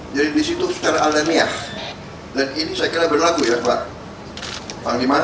jadi disitu secara alamiah dan ini saya kira berlaku ya pak panglima